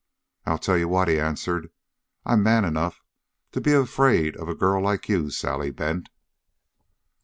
"I'll tell you what," he answered. "I'm man enough to be afraid of a girl like you, Sally Bent."